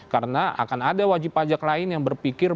karena akan ada wajib pajak lain yang berpikir